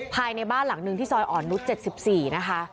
ภายในบ้านหลังหนึ่งที่ซอยอ่อนนุษย์๗๔นะคะ